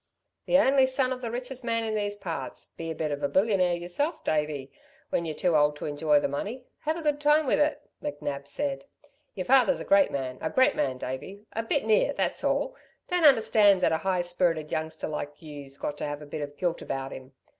"The only son of the richest man in these parts be a bit of a millionaire y'self, Davey when y're too old to enjoy the money have a good time with it," McNab said. "Your father's a great man a great man, Davey a bit near, that's all don't understand that a high spirited youngster like you'se got to have a bit of gilt about him!